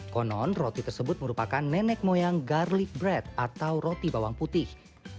konon roti tersebut merupakan nenek moyang garlic bread atau roti bawang putih